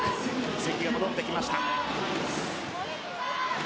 関が戻ってきました。